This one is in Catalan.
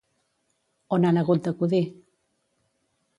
On han hagut d'acudir?